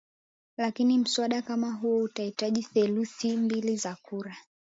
lakini mswada kama huo utahitaji theluthi mbili za kura